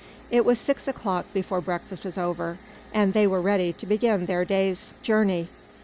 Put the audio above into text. It was six o'clock before breakfast was over and they were ready to begin their day's journey.